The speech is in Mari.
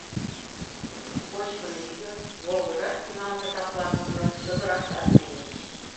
Кочкын-йӱын, волгыжаш тӱҥалме жаплан нуно чодыраштат лийыч.